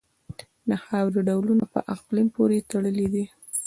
د خاورې ډولونه په اقلیم پورې تړلي دي.